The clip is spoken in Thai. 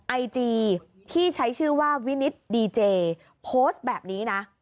ไอจีที่ใช้ชื่อว่าวินิตดีเจโพสต์แบบนี้นะ